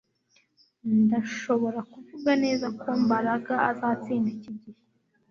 Ndashobora kuvuga neza ko Mbaraga azatsinda iki gihe